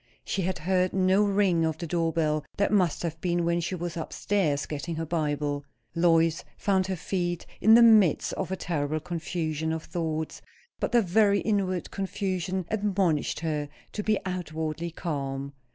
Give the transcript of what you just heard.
She had heard no ring of the door bell; that must have been when she was up stairs getting her Bible. Lois found her feet, in the midst of a terrible confusion of thoughts; but the very inward confusion admonished her to be outwardly calm.